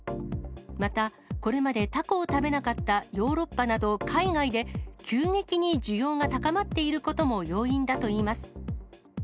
また、これまでタコを食べなかったヨーロッパなど海外で、急激に需要が高まっていることも要因だといいます。